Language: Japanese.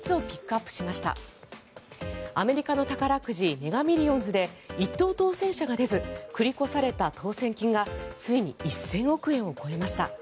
アメリカの宝くじメガ・ミリオンズで１等当選者が出ず繰り越された当選金がついに１０００億円を超えました。